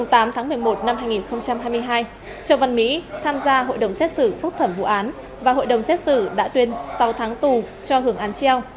ngày tám tháng một mươi một năm hai nghìn hai mươi hai châu văn mỹ tham gia hội đồng xét xử phúc thẩm vụ án và hội đồng xét xử đã tuyên sáu tháng tù cho hưởng án treo